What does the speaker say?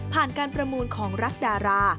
ผ่านการประมูลของรักดารา